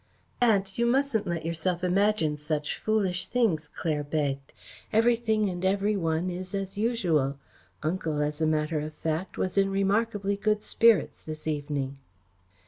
"Aunt, you mustn't let yourself imagine such foolish things," Claire begged. "Everything and every one is as usual. Uncle, as a matter of fact, was in remarkably good spirits this evening."